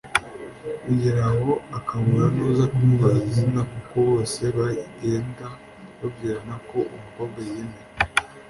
bigeraho akabura nuza kumubaza izina kuko bose bagenda babwirana ko uwo mukobwa yiyemera